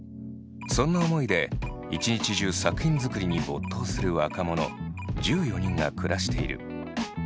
そんな思いで一日中作品づくりに没頭する若者１４人が暮らしている。